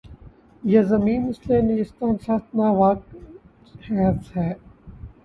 یہ زمیں مثلِ نیستاں‘ سخت ناوک خیز ہے